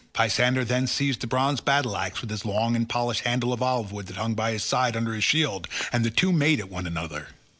Pisander then seized the bronze battle axe, with its long and polished handle of olive wood that hung by his side under his shield, and the two made at one another.